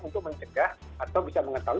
untuk mencegah atau bisa mengetahui